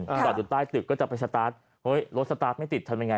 จอดอยู่ใต้ตึกก็จะไปสตาร์ทเฮ้ยรถสตาร์ทไม่ติดทำยังไง